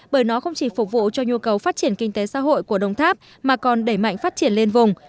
bởi nó không chỉ phục vụ cho nhu cầu phát triển kinh tế xã hội của đồng tháp mà còn đẩy mạnh phát triển lên vùng